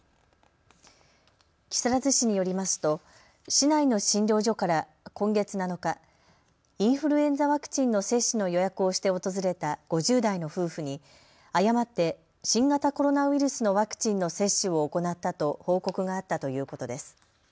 木更津市によりますと市内の診療所から今月７日、インフルエンザワクチンの接種の予約をして訪れた５０代の夫婦に誤って新型コロナウイルスのワクチンの接種を行ったと報告があったということです。